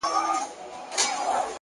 وخت د بېتوجهۍ تاوان نه بښي.!